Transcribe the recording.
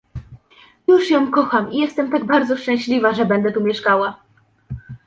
Już ją kocham i jestem tak bardzo szczęśliwa, że będę tu mieszkała.